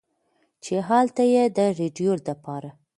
چې هلته ئې د رېډيو دپاره